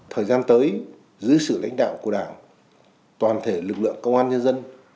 thời gian tới dưới sự lãnh đạo của đảng toàn thể lực lượng công an nhân dân